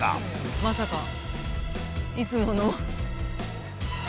まさかいつもの。